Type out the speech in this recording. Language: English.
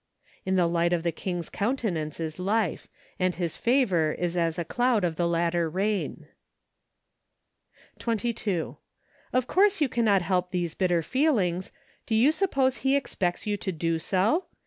" In the light of the king's countenance is life; and his favor is as a cloud of the latter rain." 22. Of course you cannot help these bitter feelings; do you suppose He expects you to do so